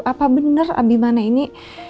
apa bener abimane ini